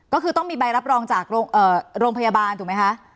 ก็คือต้องมีใบรับรองจากโรงพยาบาลถูกไหมคะ